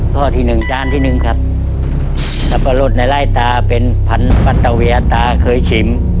ข้อที่หนึ่งจานที่หนึ่งครับแล้วก็รสในไล่ตาเป็นพันปัตตาเวียตาเคยชิม